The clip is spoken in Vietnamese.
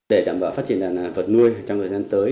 để đảm bảo phát triển đàn vật nuôi trong thời gian tới